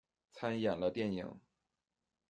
参演了电影。